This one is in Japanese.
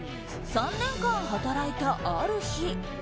３年間働いたある日。